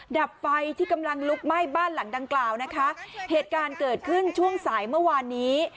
ดับไฟที่กำลังลุกไหม้บ้านหลังดังกล่าวนะคะเหตุการณ์เกิดขึ้นช่วงสายเมื่อวานนี้